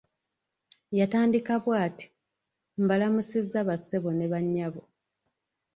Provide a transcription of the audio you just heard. Yatandika bw'ati:"mbalamusiza bassebo ne banyabo"